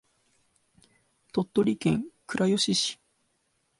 鳥取県倉吉市